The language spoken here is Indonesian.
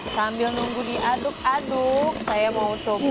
sambil nunggu diaduk aduk saya mau coba